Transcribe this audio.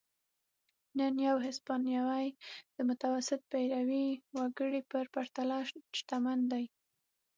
نن یو هسپانوی د متوسط پیرويي وګړي په پرتله شتمن دی.